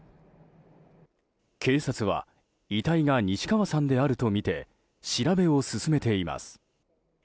警察は、遺体が西川さんであるとみて調べを進めています。